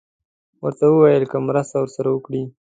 ورته یې وویل که مرسته ورسره وکړي.